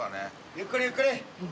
ゆっくりゆっくり。